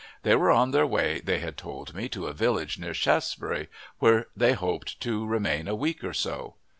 They were on their way, they had told me, to a village near Shaftesbury, where they hoped to remain a week or so.